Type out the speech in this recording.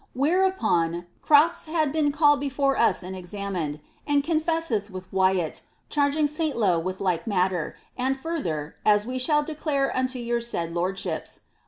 Whereupon, Crofts has been called before us and examined, and confesseth with Wyat, charging Saintlow with like matter, and further, as we shall de> clare unto your said lordships.